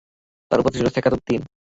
তার উপাধি ছিল সেকাতুদ্দীন।